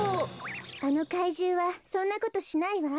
あのかいじゅうはそんなことしないわ。